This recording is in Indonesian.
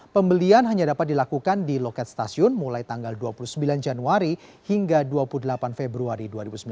pembelian hanya dapat dilakukan di loket stasiun mulai tanggal dua puluh sembilan januari hingga dua puluh delapan februari dua ribu sembilan belas